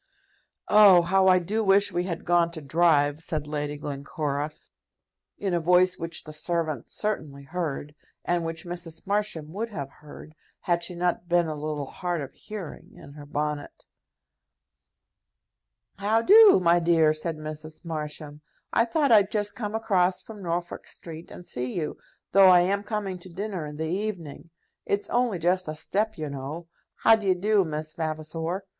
"Oh, how I do wish we had gone to drive!" said Lady Glencora, in a voice which the servant certainly heard, and which Mrs. Marsham would have heard had she not been a little hard of hearing, in her bonnet. "How do, my dear?" said Mrs. Marsham. "I thought I'd just come across from Norfolk Street and see you, though I am coming to dinner in the evening. It's only just a step, you know. How d'ye do, Miss Vavasor?"